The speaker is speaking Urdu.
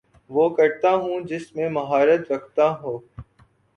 وہ کرتا ہوں جس میں مہارت رکھتا ہو